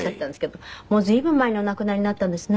もう随分前にお亡くなりになったんですね。